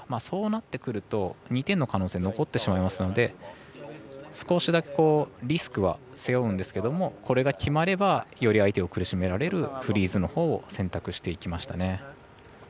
そうなってくると２点の可能性残ってしまいますので少しだけリスクは背負うんですけどこれが決まればより相手を苦しめられるフリーズのほうを選択していきましたね。